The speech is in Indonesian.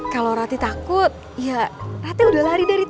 kalau rati takut ya rati udah lari dari